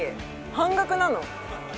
半額なの？